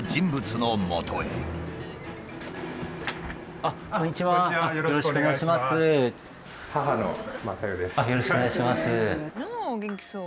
ああお元気そう。